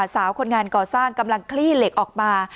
สาวคนงานก่อสร้างกำลังคลี่เหล็กออกมา